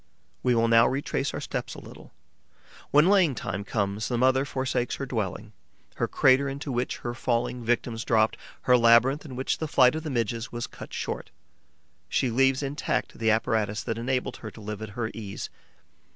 We will now retrace our steps a little. When laying time comes, the mother forsakes her dwelling, her crater into which her falling victims dropped, her labyrinth in which the flight of the Midges was cut short; she leaves intact the apparatus that enabled her to live at her ease.